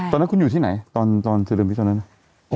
ตอนนั้นคุณอยู่ที่ไหนตอนสนามิตอนนั้นน่ะ